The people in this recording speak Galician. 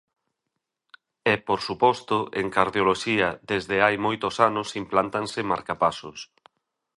E, por suposto, en cardioloxía, desde hai moitos anos, implántanse marcapasos.